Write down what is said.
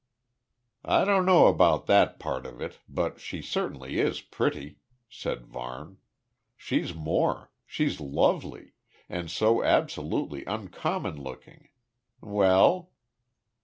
"I don't know about that part of it, but she certainly is pretty," said Varne. "She's more. She's lovely; and so absolutely uncommon looking. Well?"